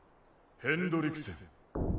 ・ヘンドリクセン。